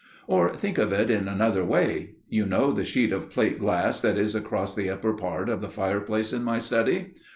Or think of it in another way. You know the sheet of plate glass that is across the upper part of the fireplace in my study.